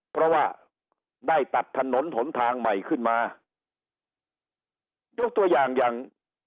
เพราะว่าได้ตัดถนนถนทางใหม่ขึ้นมายกตัวอย่างอย่าง